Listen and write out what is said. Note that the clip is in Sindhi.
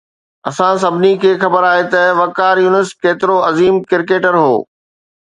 اسان سڀني کي خبر آهي ته وقار يونس ڪيترو عظيم ڪرڪيٽر هو